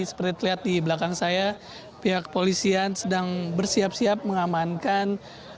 seperti terlihat di belakang saya pihak polisian sedang bersiap siap mengamankan